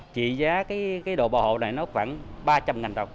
chỉ giá cái đồ bảo hộ này nó khoảng ba trăm linh ngàn đồng